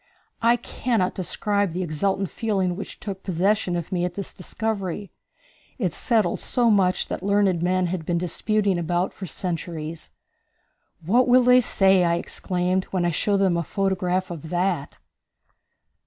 I cannot describe the exultant feeling which took possession of me at this discovery. It settled so much that learned men had been disputing about for centuries. "What will they say," I exclaimed, "when I show them a photograph of that?"